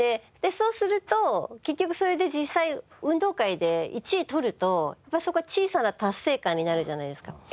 そうすると結局それで実際運動会で１位取るとそこは小さな達成感になるじゃないですか。